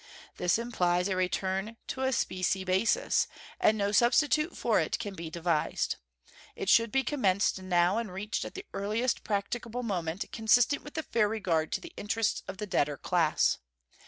This implies a return to a specie basis, and no substitute for it can be devised. It should be commenced now and reached at the earliest practicable moment consistent with a fair regard to the interests of the debtor class.